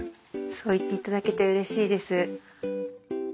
そう言っていただけてうれしいです。